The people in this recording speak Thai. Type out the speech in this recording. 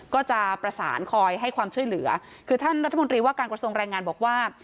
ก็จะประสานคอยให้ความช่วยเหลือคือท่านรัฐมนตรีว่าการกระทรวงแรงงานบอกว่า